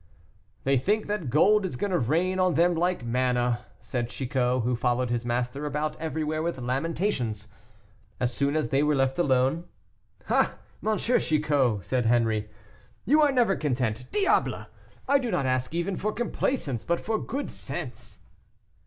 "They think that gold is going to rain on them like manna," said Chicot, who followed his master about everywhere with lamentations. As soon as they were left alone, "Ah! M. Chicot!" said Henri, "you are never content. Diable! I do not ask even for complaisance, but for good sense."